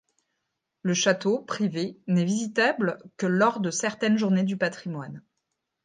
Le château, privé, n'est visitable que lors de certaines Journées du patrimoine.